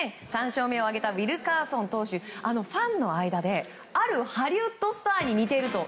３勝目を挙げたウィルカーソン投手ファンの間であるハリウッドスターに似ていると。